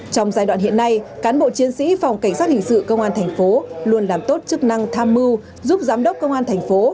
trong giai đoạn hiện nay cán bộ chiến sĩ phòng cảnh sát hình sự công an thành phố luôn làm tốt chức năng tham mưu giúp giám đốc công an thành phố